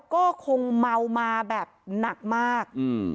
ก็คงเมามาแบบหนักมากอืม